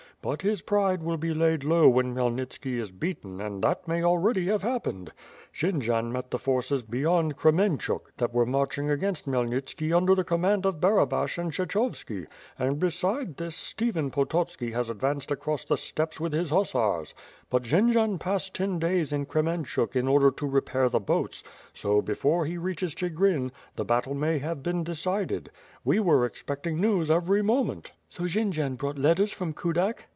But his pride will WITH FIRE AND SWORD. 241 be laid low when Khmyelnitski is beaten and that may al ready have happened. Jendzian met the forces beyond Kremenclmg, that wei e marching against Khmyelnitski iiiuler the command of Barabash and Kshechovski; and, be side this, Stephen Pototski lias advanced across the steppes with his hussars. But Jendzian passed ten da3 s in Kremen chug in order to repair the boats, so, before he reaches Chi grin, the battle may have been decided; we were expecting news every moment." '^So Jendzian brought letters from Kudak?"